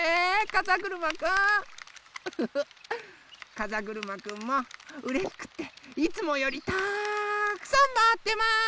かざぐるまくんもうれしくっていつもよりたくさんまわってます！